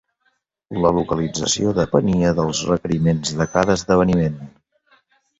La localització depenia dels requeriments de cada esdeveniment.